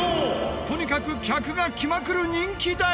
とにかく客が来まくる人気台。